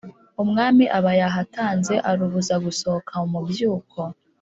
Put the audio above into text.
umwami aba yahatanze, arubuza gusohoka mu mubyuko.